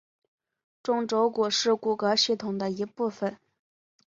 中轴骨是骨骼系统的一部分。